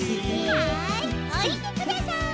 はいおりてください。